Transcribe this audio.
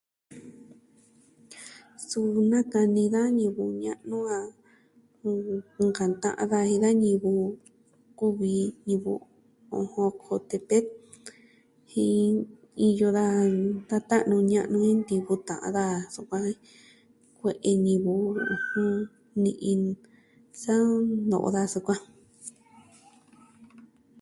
Suu nakani da ñivɨ ña'nu a, ɨjɨn, nkanta'an daja jin da ñivɨ kuvi ñivɨ Ocotepec. Jen iyo da ta'nu, ña'nu jen ntivɨ ta'an daja kue'e ñivɨ ni'i sa no'o daja sukuan.